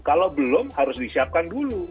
kalau belum harus disiapkan dulu